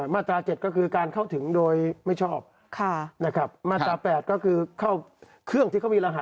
มาตรา๗ก็คือการเข้าถึงโดยไม่ชอบนะครับมาตรา๘ก็คือเข้าเครื่องที่เขามีรหะ